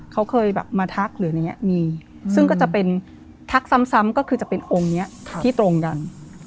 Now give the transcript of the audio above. เขาเคยแบบมาทักหรืออะไรอย่างนี้มีซึ่งก็จะเป็นทักซ้ำก็คือจะเป็นองค์นี้ที่ตรงกัน